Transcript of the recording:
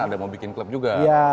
ada mau bikin klub juga